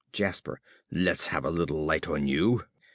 _) ~Jasper.~ Let's have a little light on you.